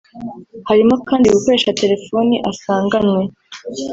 Harimo kandi gukoresha telefoni asanganwe